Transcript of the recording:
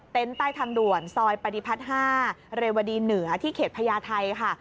ใต้ทางด่วนซอยปฏิพัฒน์๕เรวดีเหนือที่เขตพญาไทยค่ะ